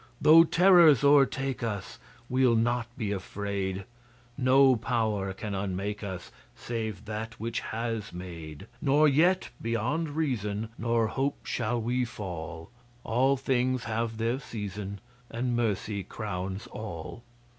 Though terrors o'ertake us We'll not be afraid, No Power can unmake us Save that which has made. Nor yet beyond reason Nor hope shall we fall All things have their season, And Mercy crowns all.